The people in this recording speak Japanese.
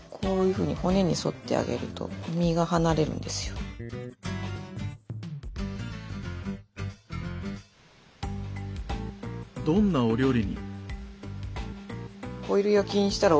こういうふうにどんなお料理に？